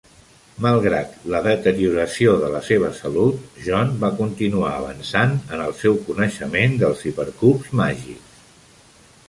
Malgrat la deterioració de la seva salut, John va continuar avançant en el seu coneixement dels hipercubs màgics.